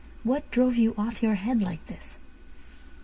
What drove you off your head like this?"